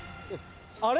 あれ？